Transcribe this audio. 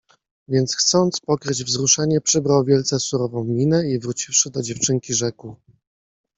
Więc chcąc pokryć wzruszenie przybrał wielce surową minę i wróciwszy do dziewczynki rzekł.